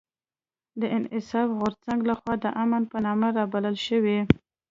د انصاف غورځنګ لخوا د امن په نامه رابلل شوې